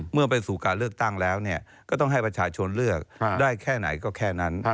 เมื่อไปสู่การเลือกตั้งแล้วก็ต้องให้ประชาชนเลือกได้แค่ไหนก็แค่นั้น